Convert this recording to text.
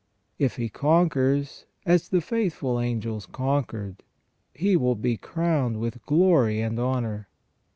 If he conquers, as the faithful angels conquered, he will be crowned with glory and honour.